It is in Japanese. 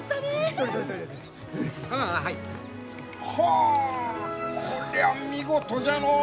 あこりゃあ見事じゃのう！